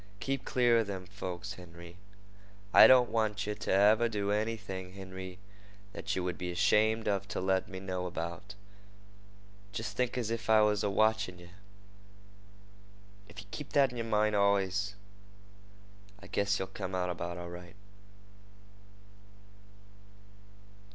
Keep clear of them folks, Henry. I don't want yeh to ever do anything, Henry, that yeh would be 'shamed to let me know about. Jest think as if I was a watchin' yeh. If yeh keep that in yer mind allus, I guess yeh'll come out about right.